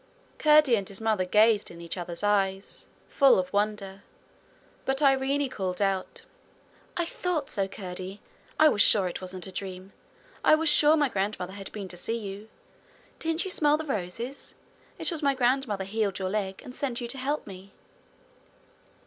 Curdie and his mother gazed in each other's eyes, full of wonder, but Irene called out: 'I thought so, Curdie! I was sure it wasn't a dream. I was sure my grandmother had been to see you. Don't you smell the roses? It was my grandmother healed your leg, and sent you to help me.'